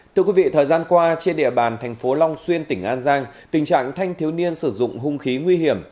thưa quý vị thời gian qua trên địa bàn thành phố long xuyên tỉnh an giang tình trạng thanh thiếu niên sử dụng hung khí nguy hiểm